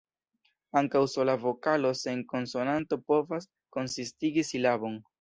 Ankaŭ sola vokalo sen konsonanto povas konsistigi silabon.